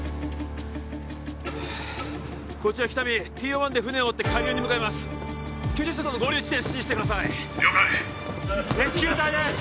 こちら喜多見ＴＯ１で船を追って下流に向かいます救助者との合流地点指示してください了解レスキュー隊です